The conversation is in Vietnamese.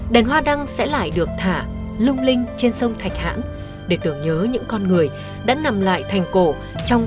đèn hoa đăng sẽ lại được thả lung linh trên sông thạch hãn để tưởng nhớ những con người đã nằm lại thành cổ trong